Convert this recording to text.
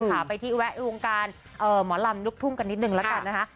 ขาไปที่แวะอุงการหมอลำนุกทุ่งกันนิดนึงแล้วกันนะคะ